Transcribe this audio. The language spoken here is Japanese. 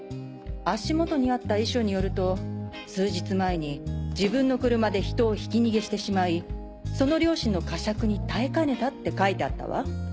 足元にあった遺書によると数日前に自分の車で人をひき逃げしてしまいその良心の呵責に耐えかねたって書いてあったわ。